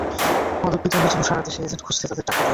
মাদক বিতরণের জন্য সারা দেশে এজেন্ট খুঁজতে তাদের টাকা দে।